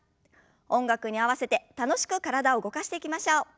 音楽に合わせて楽しく体を動かしていきましょう。